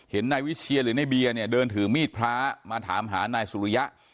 เห็นนายวิชเชียร์หรือนายเบีย่เดินถือมีดพระมาถามหานายสุฬิยะ